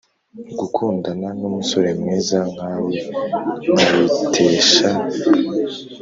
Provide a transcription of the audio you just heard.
gukundana numusore mwiza nkawe nkayitesha”